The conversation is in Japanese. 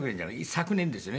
昨年ですよね。